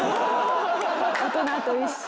大人と一緒。